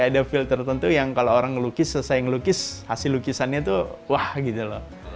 kayak ada filter tentu yang kalau orang lukis selesai lukis hasil lukisannya itu wah gitu loh